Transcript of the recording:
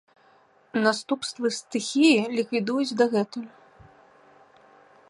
Наступствы стыхіі ліквідуюць дагэтуль.